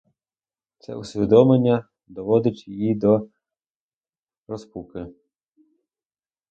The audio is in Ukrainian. Це усвідомлення доводить її до розпуки.